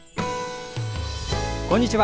こんにちは。